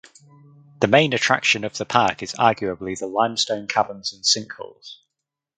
The main attraction of the park is arguably the limestone caverns and sinkholes.